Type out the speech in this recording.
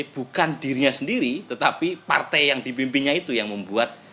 bukan dirinya sendiri tetapi partai yang dibimbingnya itu yang membuat